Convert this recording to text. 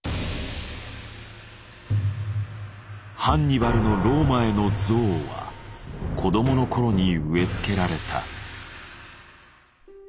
ハンニバルのローマへの憎悪は子供の頃に植え付けられた。